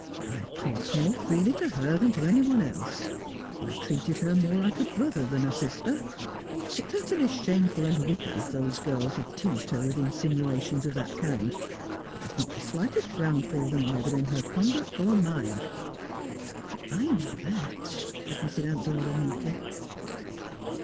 I have talked more freely to her than to any one else. I h;i ve treated her more like a brother than a sister. It is utterly shameful and wicked if those girls have teased her with insinuations of that kind. There is not the slightest ground for them either in her conduct or mine.' ' I know that,' admitted Aunt Dora meekly.